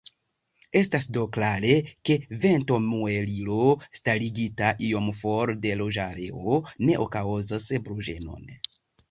Estas do klare, ke ventomuelilo starigita iom for de loĝareo ne kaŭzos bruĝenon.